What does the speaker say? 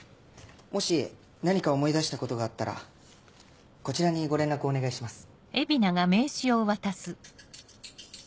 もし何か思い出したことがあったらこちらにご連絡お願いします。